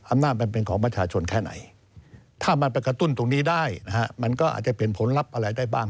อำนาจมันเป็นของประชาชนแค่ไหนถ้ามันไปกระตุ้นตรงนี้ได้นะฮะมันก็อาจจะเป็นผลลัพธ์อะไรได้บ้าง